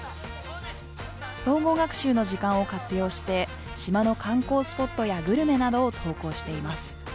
総合学習の時間を活用して、島の観光スポットやグルメなどを投稿しています。